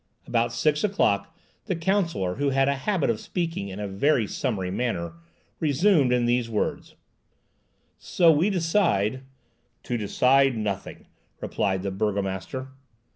About six o'clock the counsellor, who had a habit of speaking in a very summary manner, resumed in these words,— "So we decide—" "To decide nothing," replied the burgomaster.